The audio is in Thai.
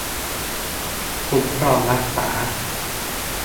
คุ้มครองรักษา